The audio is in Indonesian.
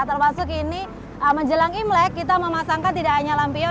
termasuk ini menjelang imlek kita memasangkan tidak hanya lampion